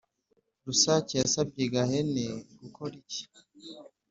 Rusake yasabye Gahene gukora iki?